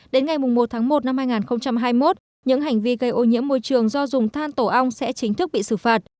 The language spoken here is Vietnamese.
đến ngày một tháng một năm hai nghìn hai mươi một những hành vi gây ô nhiễm môi trường do dùng than tổ ong sẽ chính thức bị xử phạt